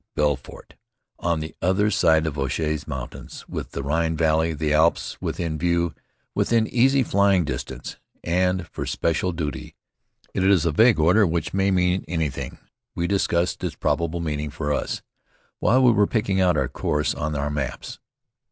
Belfort! On the other side of the Vosges Mountains, with the Rhine Valley, the Alps, within view, within easy flying distance! And for special duty. It is a vague order which may mean anything. We discussed its probable meaning for us, while we were pricking out our course on our maps.